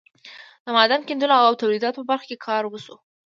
د معدن کیندلو او تولیداتو په برخه کې کار وشو.